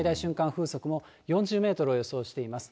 風速も４０メートルを予想しています。